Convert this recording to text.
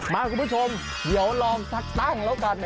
คุณผู้ชมเดี๋ยวลองสักตั้งแล้วกัน